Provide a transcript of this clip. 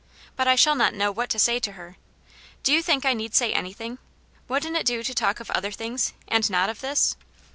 " But I shall not know what to say to her. Do you think I need say anything ? Wouldn't it do to talk of other things, and not of this